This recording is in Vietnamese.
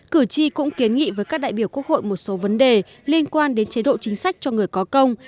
cử tri cũng kiến nghị với các đại biểu quốc hội một số vấn đề liên quan đến chế độ chính sách cho người có công